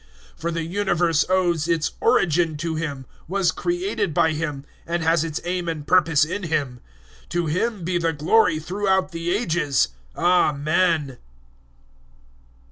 011:036 For the universe owes its origin to Him, was created by Him, and has its aim and purpose in Him. To Him be the glory throughout the Ages! Amen.